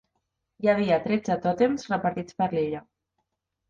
Hi havia tretze tòtems repartits per l'illa.